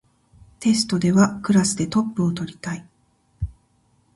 テストではクラスでトップを取りたい